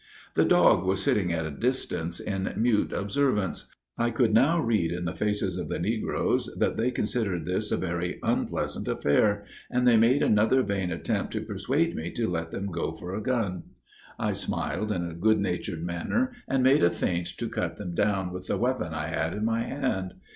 The dog was sitting at a distance in mute observance. I could now read in the faces of the negroes, that they considered this a very unpleasant affair; and they made another vain attempt to persuade me to let them go for a gun. I smiled in a good natured manner, and made a feint to cut them down with the weapon I had in my hand.